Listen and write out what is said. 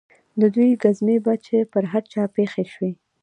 د دوى گزمې به چې پر هر چا پېښې سوې.